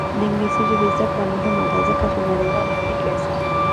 د انګلیسي ژبې زده کړه مهمه ده ځکه چې نړیوالې اړیکې اسانوي.